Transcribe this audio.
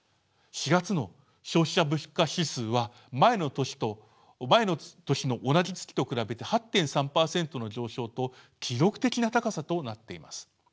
４月の消費者物価指数は前の年の同じ月と比べて８．３％の上昇と記録的な高さとなっています。